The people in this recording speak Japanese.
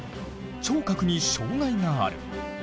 聴覚に障害がある。